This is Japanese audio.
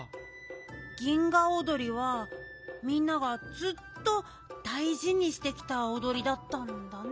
銀河おどりはみんながずっとだいじにしてきたおどりだったんだね。